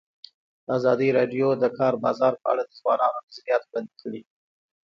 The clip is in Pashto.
ازادي راډیو د د کار بازار په اړه د ځوانانو نظریات وړاندې کړي.